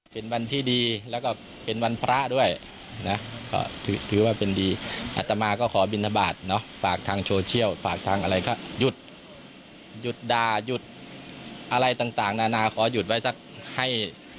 ฉันส่งแล้วช่วยมอบให้